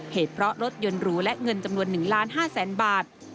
เหตุเพราะรถยนต์หรูและเงินจำนวน๑ล้าน๕แสนบาท